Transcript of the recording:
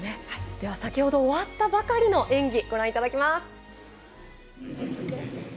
では先ほど終わったばかりの演技ご覧いただきます。